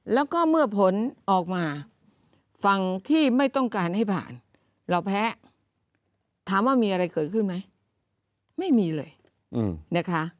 แล้วก็เมื่อผลออกมาฝั่งที่ไม่ต้องการให้ผ่านเราแพ้ถามว่ามีอะไรเกิดขึ้นไหมไม่มีเลยนะคะ